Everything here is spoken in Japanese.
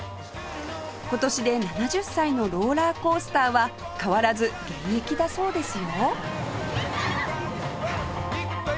今年で７０歳のローラーコースターは変わらず現役だそうですよ